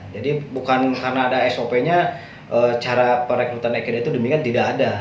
jadi bukan karena ada sopnya cara perekrutan ikeda itu demikian tidak ada